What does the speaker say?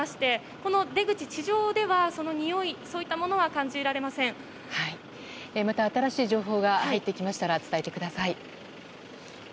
この出口、地上ではにおいといったものはまた新しい情報が入ってきましたら伝えてください。